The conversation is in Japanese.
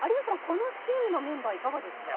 このチームのメンバーいかがですか？